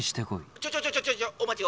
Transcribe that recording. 「ちょちょちょちょお待ちを！